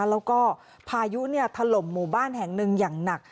แล้วก็พายุถล่มหมู่บ้านแห่งหนึ่งอย่างหนัก